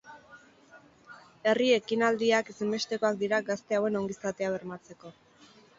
Herri ekinaldiak ezinbestekoak dira gazte hauen ongizatea bermatzeko.